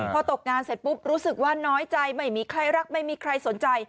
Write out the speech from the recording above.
พอตกงานเสร็จปุ๊บรู้สึกว่าน้อยใจไม่มีใครรักไม่มีใครสนใจ